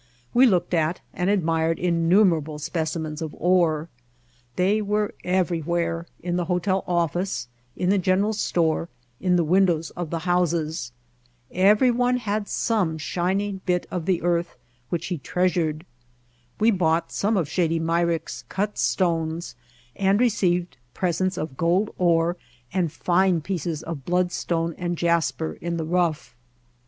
We looked at and admired innumerable specimens of ore. They were everywhere, in the hotel office, in the general store, in the windows of the houses. Everyone White Heart of Mojave had some shining bit of the earth which he treasured. We bought some of Shady Myrick's cut stones and received presents of gold ore and fine pieces of bloodstone and jasper in the rough.